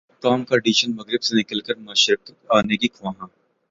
کم Kardashian مغرب سے نکل کر مشرق انے کی خواہاں